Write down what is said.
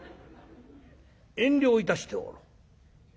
遠慮をいたしておろう。